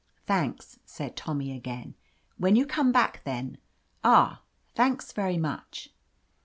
"Thanks," said Tommy again. "When you come back, then. Ah — ^thanks, very much."